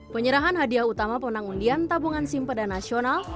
penyerahan hadiah utama penangundian tabungan simpeda nasional